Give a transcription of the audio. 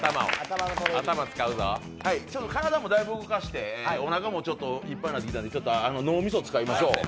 ちょっと体もだいぶ動かして、おなかもいっぱいになってきたので脳みそ使いましょう。